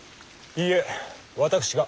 いいえ私が。